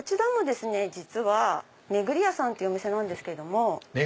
実はめぐりやさんっていうお店なんですけども。